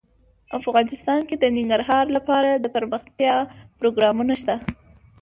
افغانستان کې د ننګرهار لپاره دپرمختیا پروګرامونه شته.